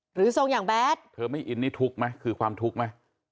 ทรงอย่างแบทเธอไม่อินนี่ทุกข์ไหมคือความทุกข์ไหม